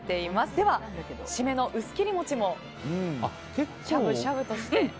では、締めの薄切り餅もしゃぶしゃぶとして。